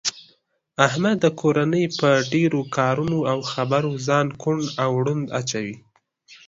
احمد د کورنۍ په ډېرو کارونو او خبرو ځان کوڼ او ړوند اچوي.